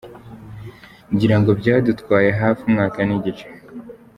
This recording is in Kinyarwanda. Ngira ngo byadutwaye hafi umwaka n’igice.